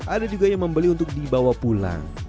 ada juga yang membeli untuk dibawa pulang